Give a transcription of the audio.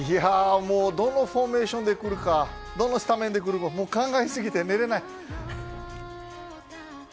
どのフォーメーションでくるかどのスタメンでくるか考えすぎて寝れない。